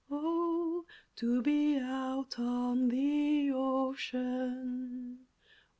Oh, to be out on the Ocean!